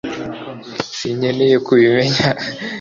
sinkeneye kubimenya